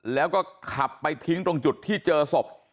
แล้วก็ขับไปทิ้งตรงจุดที่เจอศพ